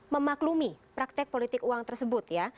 memaklumi praktek politik uang tersebut ya